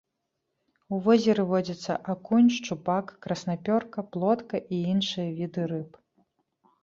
У возеры водзяцца акунь, шчупак, краснапёрка, плотка і іншыя віды рыб.